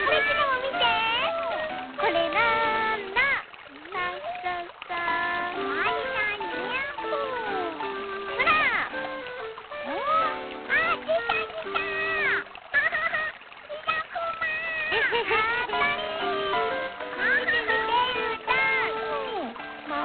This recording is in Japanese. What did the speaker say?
みてみてうーたん。